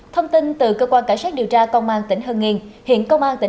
thông tin từ cơ quan cảnh sát điều tra công an tỉnh hương nghìn